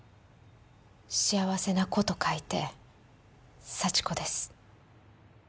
幸せな子と書いて幸子です。